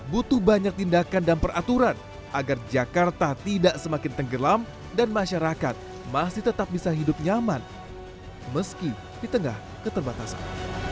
butuh banyak tindakan dan peraturan agar jakarta tidak semakin tenggelam dan masyarakat masih tetap bisa hidup nyaman meski di tengah keterbatasan